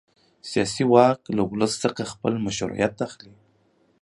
سیاسي واک له ولس څخه خپل مشروعیت اخلي.